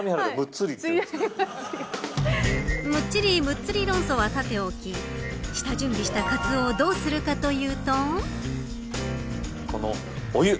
むっちり、むっつり論争はさておき下準備したカツオをどうするかというと。